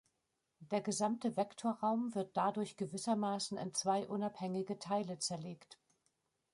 Der gesamte Vektorraum wird dadurch gewissermaßen in zwei unabhängige Teile zerlegt.